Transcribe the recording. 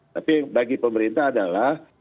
tapi bagi pemerintah adalah